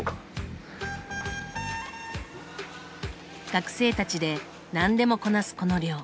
学生たちで何でもこなすこの寮。